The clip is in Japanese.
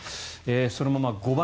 そのまま５番。